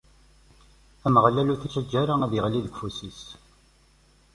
Ameɣlal ur t-ittaǧǧa ara ad d-iɣli deg ufus-is.